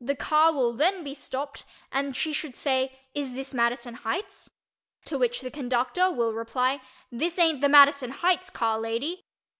The car will then be stopped and she should say "Is this Madison Heights?" to which the conductor will reply "This ain't the Madison Heights car, lady."